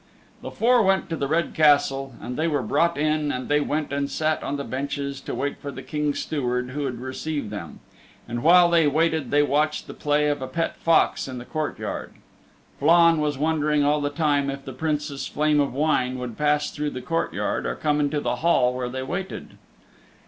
The four went to the Red Castle, and they were brought in and they went and sat on the benches to wait for the King's Steward who would receive them. And while they waited they watched the play of a pet fox in the courtyard. Flann was wondering all the time if the Princess Flame of Wine would pass through the court yard or come into the hall where they waited.